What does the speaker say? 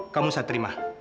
kamu bisa terima